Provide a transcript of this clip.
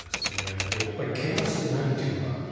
やっぱり怪我をしてないというのが。